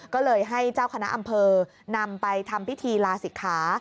ก็เลยให้เจ้าคณะอำเภอนำไปทำพิธีลาศิกขา